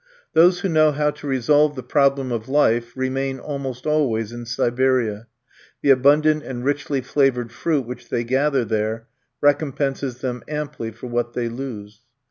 Those who know how to resolve the problem of life remain almost always in Siberia; the abundant and richly flavoured fruit which they gather there recompenses them amply for what they lose.